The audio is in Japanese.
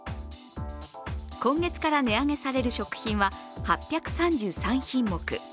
今月から値上げされる食品は８３３品目。